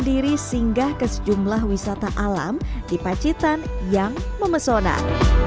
diri singgah ke sejumlah wisata alam di pacitan yang memesona